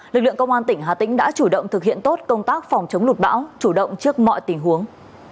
lực lượng công an tỉnh hà tĩnh đã chủ động thực hiện tốt công tác phòng chống lụt bão chủ động trước mọi tình huống